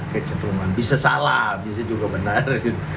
keceruman bisa salah bisa juga benar